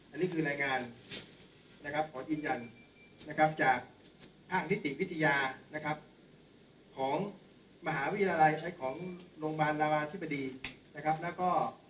อันนี้คือรายงานนะครับขอยืนยันนะครับจากภาคนิติวิทยานะครับของมหาวิทยาลัยใช้ของโรงพยาบาลรามาธิบดีนะครับแล้วก็